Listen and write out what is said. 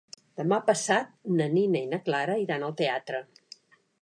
Demà passat na Nina i na Clara iran al teatre.